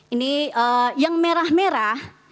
ini yang merah merah